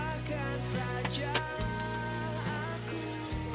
aku pas lewat